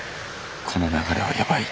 この流れはやばい。